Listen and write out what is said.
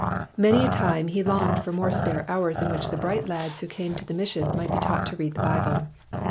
Many a time he longed for more spare hours in which the bright lads who came to the mission might be taught to read the Bible.